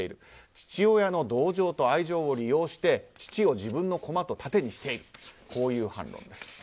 父親の同情と愛情を利用して父を自分の駒と盾にしているとこういう反論です。